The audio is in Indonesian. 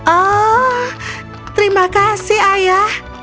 oh terima kasih ayah